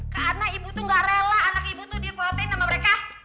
karena ibu tuh gak rela anak ibu tuh dipropen sama mereka